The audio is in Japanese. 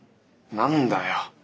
何だよ。